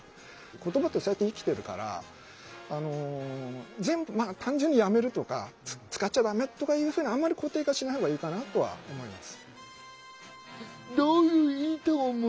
言葉ってそうやって生きてるから全部まあ単純にやめるとか使っちゃダメとかいうふうにあんまり固定化しない方がいいかなとは思います。